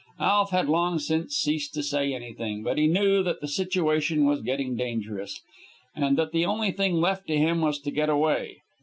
Alf had long since ceased to say anything, but he knew that the situation was getting dangerous, and that the only thing left to him was to get away.